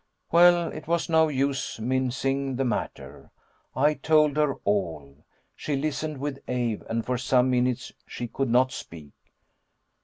Well, it was no use mincing the matter, I told her all. She listened with awe, and for some minutes she could not speak.